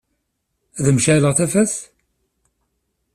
Ad m-ceɛleɣ tafat?